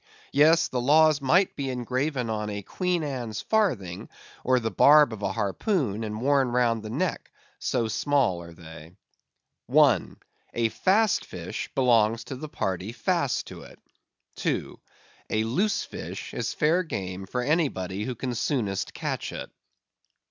Yes; these laws might be engraven on a Queen Anne's farthing, or the barb of a harpoon, and worn round the neck, so small are they. I. A Fast Fish belongs to the party fast to it. II. A Loose Fish is fair game for anybody who can soonest catch it.